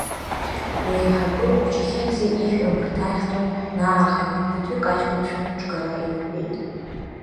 Уи аиҳабы Кәчухьиӡе ишә амырҭақь ҵәымӷ наарханы ԥыҭҩык аҷкәынцәа чгара инатәеит.